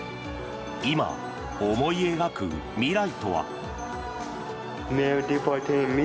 今、思い描く未来とは。